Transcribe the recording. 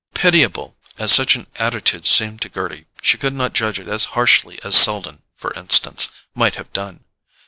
Pitiable as such an attitude seemed to Gerty, she could not judge it as harshly as Selden, for instance, might have done.